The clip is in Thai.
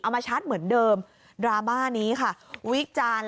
เอามาชาร์จเหมือนเดิมดรามานี้ค่ะวิจารณ์